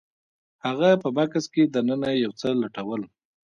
هغه په بکس کې دننه یو څه لټول